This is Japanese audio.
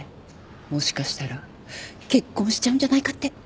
もしかしたら結婚しちゃうんじゃないかって。